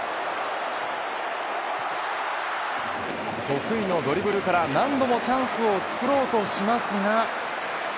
得意のドリブルから何度もチャンスを作ろうとしますが。